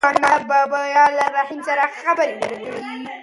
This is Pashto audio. پاڼه به بیا له رحیم سره خبرې ونه کړي.